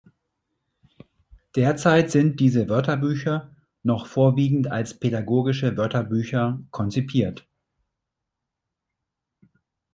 Derzeit sind diese Wörterbücher noch vorwiegend als pädagogische Wörterbücher konzipiert.